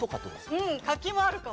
うん柿もあるかも。